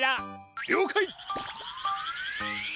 りょうかい！